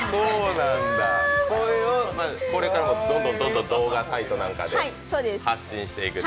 これをこれからもどんどん動画サイトなんかで発信していくと。